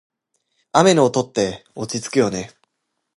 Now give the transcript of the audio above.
雨の音って落ち着くよね。